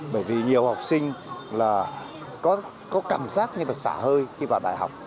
bởi vì nhiều học sinh là có cảm giác như là xả hơi khi vào đại học